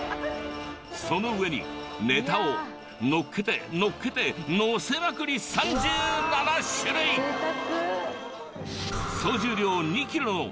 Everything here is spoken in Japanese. その上にネタを載っけて載っけて載せまくり贅沢。